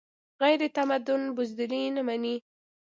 غیرتمند بزدلي نه مني